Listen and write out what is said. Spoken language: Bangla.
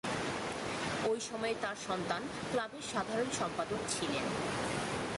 ঐ সময়ে তার সন্তান ক্লাবের সাধারণ সম্পাদক ছিলেন।